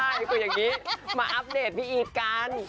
ได้ก็อย่างงี้มาอัพเดตพี่อีทกัน